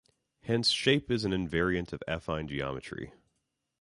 Hence shape is an invariant of affine geometry.